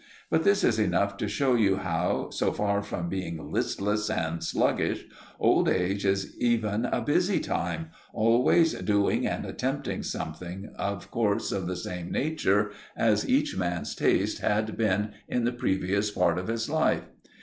But this is enough to show you how, so far from being listless and sluggish, old age is even a busy time, always doing and attempting something, of course of the same nature as each man's taste had been in the previous part of his life.